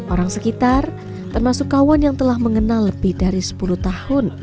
orang sekitar termasuk kawan yang telah mengenal lebih dari sepuluh tahun